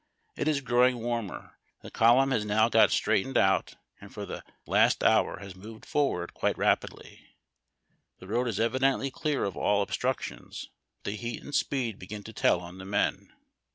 It is growing warmer. The column has now got straight ened out, and for the last hour has moved forward quite rapidly. The road is evidently clear of all obstructions, but the heat and speed begin to tell on the men.